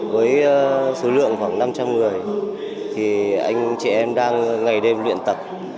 với số lượng khoảng năm trăm linh người thì anh chị em đang ngày đêm luyện tập